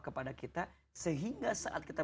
kepada kita sehingga saat kita